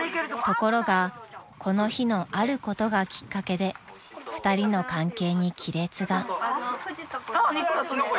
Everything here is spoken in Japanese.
［ところがこの日のあることがきっかけで２人の関係に亀裂が］